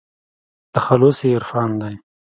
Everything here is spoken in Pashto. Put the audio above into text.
تخلص يې عرفان دى.